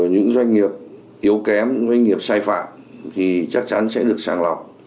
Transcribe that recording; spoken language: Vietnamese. những doanh nghiệp yếu kém doanh nghiệp sai phạm thì chắc chắn sẽ được sàng lọc